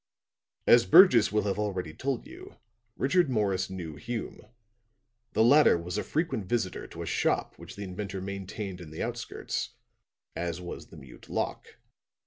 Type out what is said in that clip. "'As Burgess will already have told you, Richard Morris knew Hume. The latter was a frequent visitor to a shop which the inventor maintained in the outskirts, as was the mute Locke.